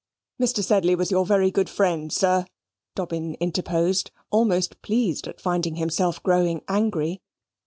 "Mr. Sedley was your very good friend, sir," Dobbin interposed, almost pleased at finding himself growing angry.